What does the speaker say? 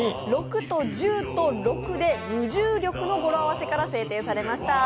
６と１０と６で「むじゅうりょく」の語呂合わせから制定されました。